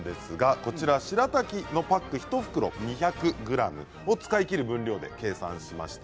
しらたきのパック１袋２００ｇを使い切る分量で計算しました。